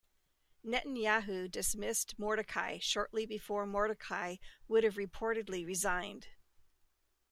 Netanyahu dismissed Mordechai shortly before Mordechai would have reportedly resigned.